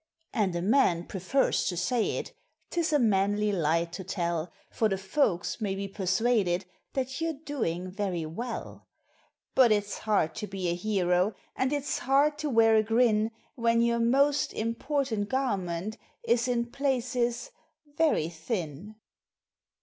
And a man prefers to say it 'tis a manly lie to tell, For the folks may be persuaded that you're doing very well ; But it's hard to be a hero, and it's hard to wear a grin, When your most important garment is in places very thin.